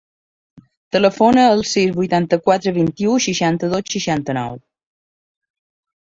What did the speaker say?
Telefona al sis, vuitanta-quatre, vint-i-u, seixanta-dos, seixanta-nou.